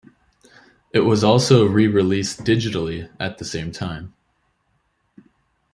It was also re-released digitally at the same time.